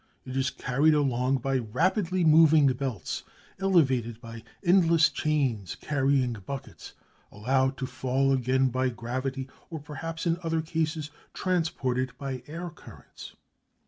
It is carried along by rapidly moving belts, elevated by endless chains carrying buckets, allowed to fall again by gravity, or perhaps in other cases transported by air currents.